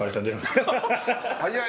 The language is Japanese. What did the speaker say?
早い。